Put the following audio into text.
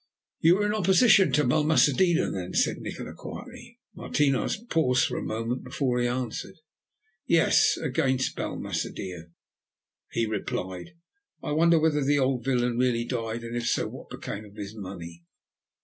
"You were in opposition to Balmaceda, then?" said Nikola quietly. Martinos paused for a moment before he answered. "Yes, against Balmaceda," he replied. "I wonder whether the old villain really died, and if so what became of his money."